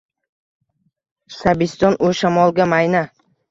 Shabiston-u shamolga mayna.